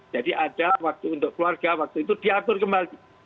jadi ada waktu untuk keluarga waktu itu diatur kembali